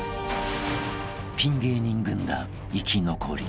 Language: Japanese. ［ピン芸人軍団生き残り］